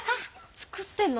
作ってんの？